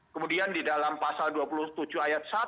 kemudian di dalam pasal dua puluh tujuh ayat satu